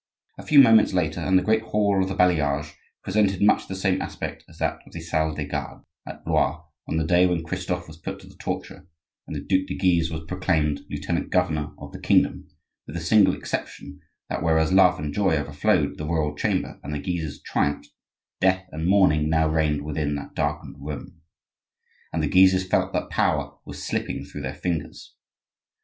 A few moments later and the great hall of the Bailliage presented much the same aspect as that of the Salle des gardes at Blois on the day when Christophe was put to the torture and the Duc de Guise was proclaimed lieutenant governor of the kingdom,—with the single exception that whereas love and joy overflowed the royal chamber and the Guises triumphed, death and mourning now reigned within that darkened room, and the Guises felt that power was slipping through their fingers.